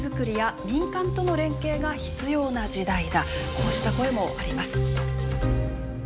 こうした声もあります。